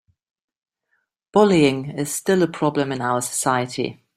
Bullying is still a problem in our society.